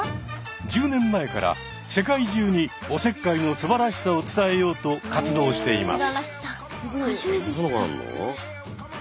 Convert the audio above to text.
１０年前から世界中におせっかいのすばらしさを伝えようと活動しています。